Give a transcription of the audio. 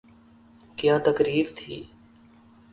کیا تقریر تھی۔